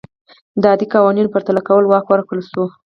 د عادي قوانینو پرتله کولو واک ورکړل شو.